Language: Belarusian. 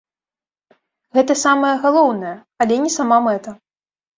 Гэта самае галоўнае, але не сама мэта.